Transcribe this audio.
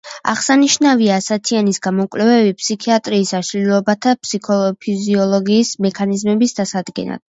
აღსანიშნავია ასათიანის გამოკვლევები ფსიქიატრიის აშლილობათა ფიზიოლოგიის მექანიზმების დასადგენად.